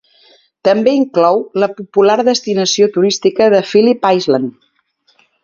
També inclou la popular destinació turística de Phillip Island.